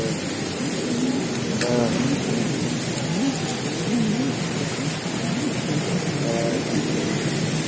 If I could only see a stray boy — a native boy inured to rain — I might send him home for a carriage."